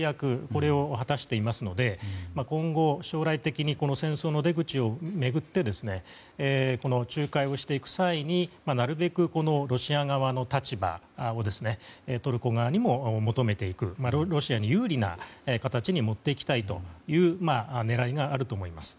これを果たしていますので今後、将来的にこの戦争の出口を巡ってこの仲介をしていく際になるべくロシア側の立場をトルコ側にも求めていくロシアに有利な形に持っていきたいという狙いがあると思います。